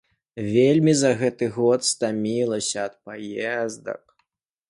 Вельмі за гэты год стамілася ад паездак.